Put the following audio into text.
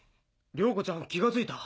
良子ちゃん気がついた？